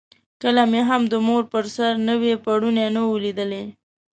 کله مې هم د مور پر سر نوی پوړونی نه وو لیدلی.